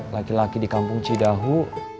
laki laki di kampung cidahu